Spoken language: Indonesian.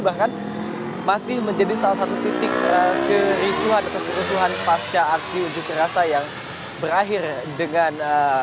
bahkan masih menjadi salah satu titik kericuhan atau kerusuhan pasca aksi unjuk rasa yang berakhir dengan